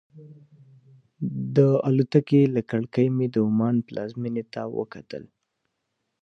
د الوتکې له کړکۍ مې د عمان پلازمېنې ته وکتل.